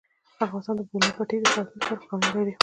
افغانستان د د بولان پټي د ساتنې لپاره قوانین لري.